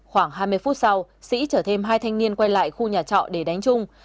khoảng hai mươi phút sau sĩ chở thêm hai thanh niên quay lại khu nhà trọ để đánh chung